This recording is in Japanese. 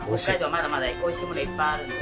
まだまだ美味しいものがいっぱいあるので。